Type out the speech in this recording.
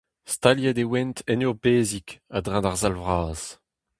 Staliet e oant en ur pezhig, a-dreñv d'ar sal vras.